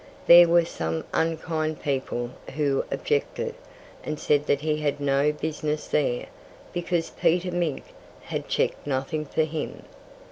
There were some unkind people who objected, and said that he had no business there, because Peter Mink had checked nothing for him.